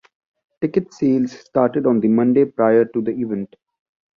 Ticket sales started on the Monday prior to the event.